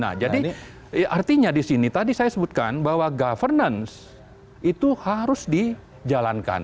nah jadi artinya di sini tadi saya sebutkan bahwa governance itu harus dijalankan